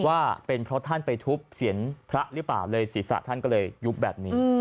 ว่าเป็นเพราะท่านไปทุบเสียงพระหรือเปล่าเลยศีรษะท่านก็เลยยุบแบบนี้